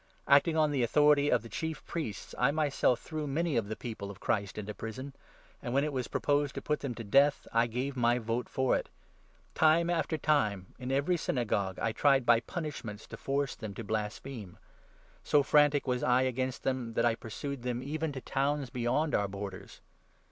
10 Acting on the authority of the Chief Priests, I myself threw many of the People of Christ into prison, and, when it was pro posed to put them to death, I gave my vote for it. Time after n time, in every Synagogue, I tried by punishments to force them to blaspheme. So frantic was I against them, that I pursued them even to towns beyond our borders.